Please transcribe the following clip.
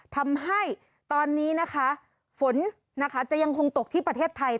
ทำให้ตอนนี้นะคะฝนนะคะจะยังคงตกที่ประเทศไทย